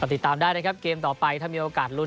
ติดตามได้นะครับเกมต่อไปถ้ามีโอกาสลุ้น